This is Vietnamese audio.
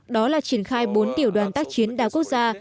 đó là triển khai bốn tiểu đoàn tác chiến đa quốc gia